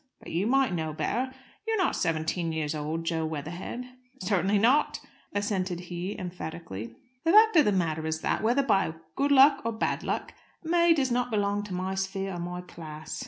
But you might know better. You are not seventeen years old, Jo Weatherhead." "Certainly not," assented he emphatically. "The fact of the matter is that, whether by good luck or bad luck, May does not belong to my sphere or my class.